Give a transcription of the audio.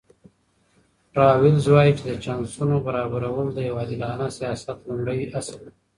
راولز وایي چې د چانسونو برابرول د یو عادلانه سیاست لومړی اصل دی.